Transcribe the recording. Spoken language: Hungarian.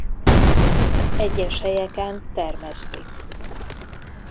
Egyes helyeken termesztik.